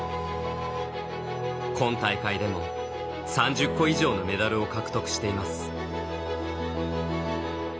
今大会でも３０個以上のメダルを獲得しています。